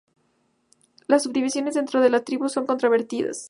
Las subdivisiones dentro de la tribu son controvertidas.